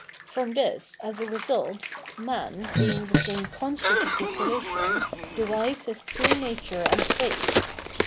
From this, as a result, man, being the thing conscious of this relation, derives his true nature and place.